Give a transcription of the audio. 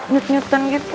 nyut nyutan gitu mas